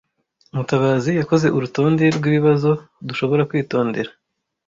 Mutabazi yakoze urutonde rwibibazo dushobora kwitondera.